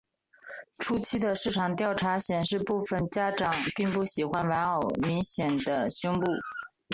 初期的市场调查显示部份家长并不喜欢玩偶明显的胸部。